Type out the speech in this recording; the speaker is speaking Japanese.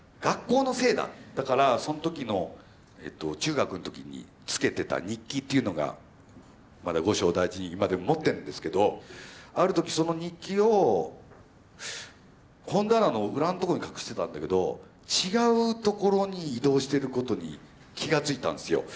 だからその時の中学の時につけてた日記っていうのがまだ後生大事に今でも持ってるんですけどある時その日記を本棚の裏のとこに隠してたんだけど違う所に移動してることに気が付いたんですよ。